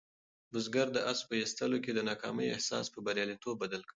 بزګر د آس په ایستلو کې د ناکامۍ احساس په بریالیتوب بدل کړ.